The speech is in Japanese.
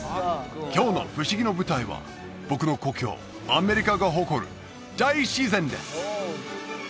今日のふしぎの舞台は僕の故郷アメリカが誇る大自然です